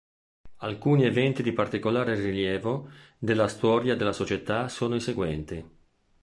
Alcuni eventi di particolare rilievo della storia della società sono i seguenti.